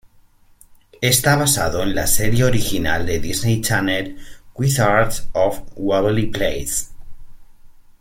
Está basado la serie original de Disney Channel "Wizards of Waverly Place".